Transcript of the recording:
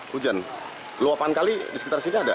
hujan luapan kali di sekitar sini ada